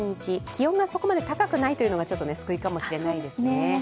気温がそこまで高くないというのが救いかもしれないですね。